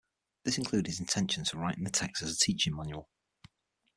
This include his intentions for writing the text as a teaching manual.